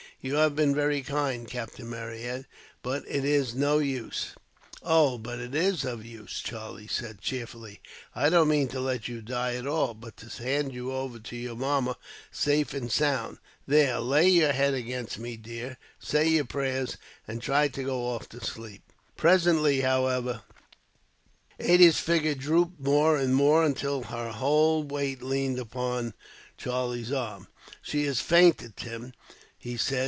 You have been very kind, Captain Marryat, but it is no use." "Oh, but it is of use," Charlie said cheerfully. "I don't mean to let you die at all, but to hand you over to mamma, safe and sound. There, lay your head against me, dear, and say your prayers, and try and go off to sleep." Presently, however, Ada's figure drooped more and more, until her whole weight leaned upon Charlie's arm. "She has fainted, Tim," he said.